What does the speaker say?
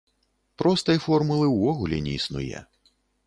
Простай формулы ўвогуле не існуе.